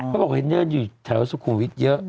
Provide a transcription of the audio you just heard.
ก็บอกว่าเห็นเยอะอยู่แถวสุขุวิทย์เยอะ